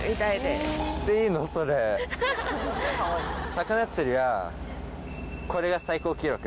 魚釣りはこれが最高記録なんです。